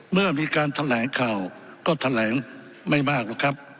เมื่อมีการแถลงข่าวก็แถลงไม่มากหรอกครับ